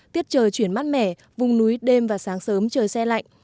tiết trời chuyển mát mẻ vùng núi đêm và sáng sớm trời xe lạnh